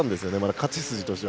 勝ち筋としては。